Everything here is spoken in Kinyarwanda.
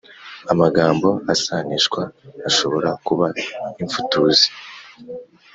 amagambo asanishwa ashobora kuba imfutuzi: